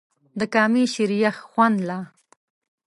د کامې شریخ خوند لا